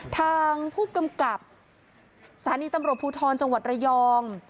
ทางผู้กำกับสถานีตำรวจภูทรจังหวัดระยอง